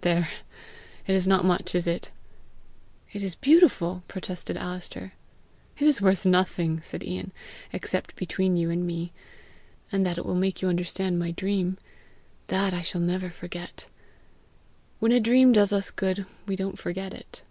"There! It is not much, is it?" "It is beautiful!" protested Alister. "It is worth nothing," said Ian, "except between you and me and that it will make you understand my dream. That I shall never forget. When a dream does us good we don't forget it.